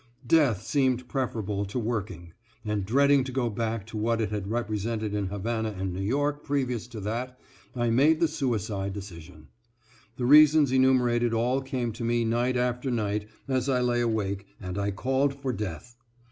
Death seemed preferable to working, and, dreading to go back to what it had represented in Havana and New York previous to that, I made the suicide decision. The reasons enumerated all came to me night after night as I lay awake, and I called for death